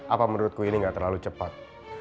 apa menurutku ini gak terlalu cepat